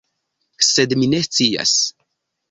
Sed mi ne scias.